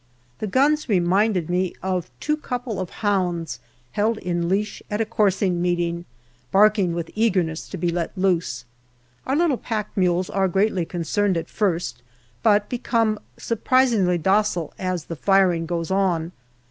The guns reminded me of two couple of hounds held in leash at a coursing meeting, barking with eagerness to be let loose. Our little pack mules are greatly concerned at first, but become surprisingly docile as the firing goes on.